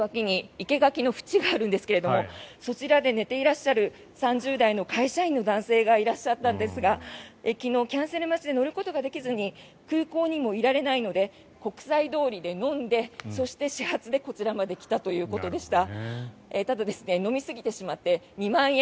こちら出ましてすぐ脇に生け垣の縁があるんですがそちらで寝ていらっしゃる３０代の会社員の男性がいらっしゃったんですが昨日、キャンセル待ちで乗ることができずに空港にもいられないので国際通りで飲んで始発でこちらまで来たということでした。